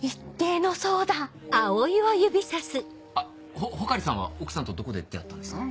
ほ穂刈さんは奥さんとどこで出会ったんですか？